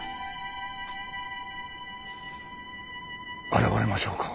現れましょうか？